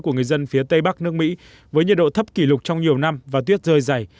của người dân phía tây bắc nước mỹ với nhiệt độ thấp kỷ lục trong nhiều năm và tuyết rơi dày